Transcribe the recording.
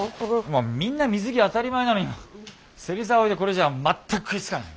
みんな水着当たり前なのに芹澤あおいでこれじゃ全く食いつかない。